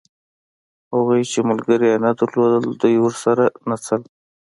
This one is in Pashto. هغوی چې ملګري یې نه درلودل دوی ورسره نڅل.